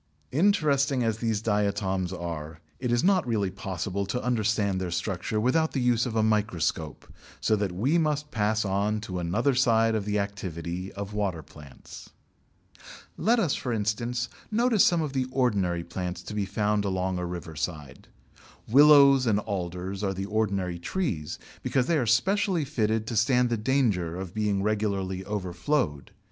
Interesting as these diatoms are, it is not really possible to understand their structure without the use of a microscope, so that we must pass on to another side of the activity of water plants. Let us, for instance, notice some of the ordinary plants to be found along a riverside. Willows and Alders are the ordinary trees, because they are specially fitted to stand the danger of being regularly overflowed.